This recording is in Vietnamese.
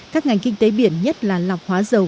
các ngành kinh tế biển nhất là lọc hóa dầu